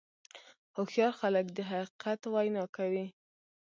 هوښیار خلک د حقیقت وینا کوي.